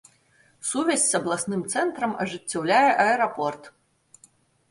Сувязь з абласным цэнтрам ажыццяўляе аэрапорт.